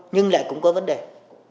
nhưng lại cũng không thành công